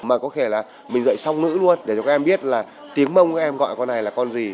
mà có thể là mình dạy song ngữ luôn để cho các em biết là tiếng mông các em gọi qua này là con gì